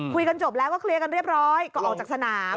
คุยกันจบแล้วก็เคลียร์กันเรียบร้อยก็ออกจากสนาม